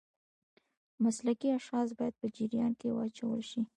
مسلکي اشخاص باید په جریان کې واچول شي.